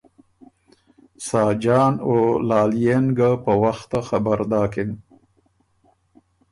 ساجان او لالئے ن ګه په وخته خبر داکِن